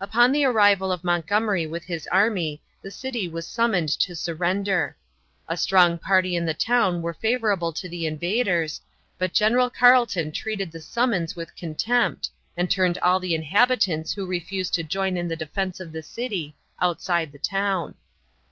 Upon the arrival of Montgomery with his army the city was summoned to surrender. A strong party in the town were favorable to the invaders, but General Carleton treated the summons with contempt, and turned all the inhabitants who refused to join in the defense of the city outside the town.